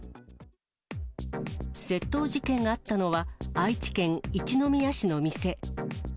窃盗事件があったのは、愛知県一宮市の店。